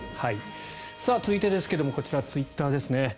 続いてですが、こちらツイッターですね。